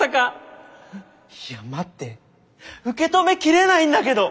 いや待って受け止め切れないんだけど！